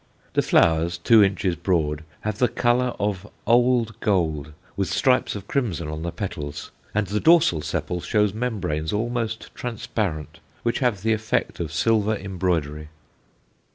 The flowers, two inches broad, have the colour of "old gold," with stripes of crimson on the petals, and the dorsal sepal shows membranes almost transparent, which have the effect of silver embroidery.